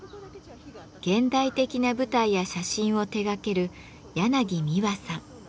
現代的な舞台や写真を手がけるやなぎみわさん。